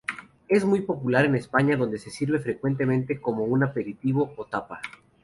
Es muy popular en España donde se sirve frecuentemente como un aperitivo o tapa.